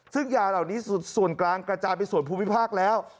ซึ่งยาเหล่านี้ส่วนกลางกระจายไปส่วนภูมิภาคแล้ว